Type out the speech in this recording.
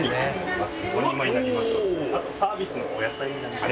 あとサービスのお野菜になります。